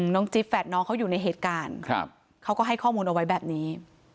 จิ๊บแฝดน้องเขาอยู่ในเหตุการณ์เขาก็ให้ข้อมูลเอาไว้แบบนี้